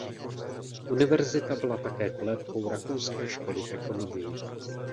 Univerzita byla také kolébkou Rakouské školy v ekonomii.